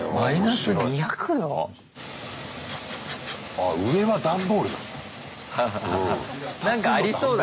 あ上は段ボールなんだ。